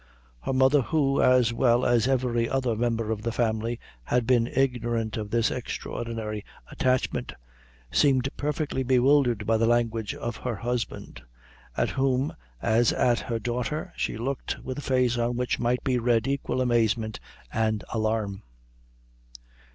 Her mother, who, as well as every other member of the family, had been ignorant of this extraordinary attachment, seemed perfectly bewildered by the language of her husband, at whom, as at her daughter, she looked with a face on which might be read equal amazement and alarm.